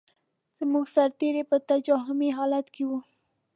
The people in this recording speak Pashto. زموږ سرتېري په تهاجمي حالت کې و.